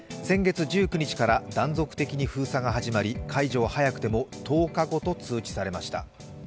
先月１９日から断続的に封鎖が始まり、解除は早くても１０日後と通知されました。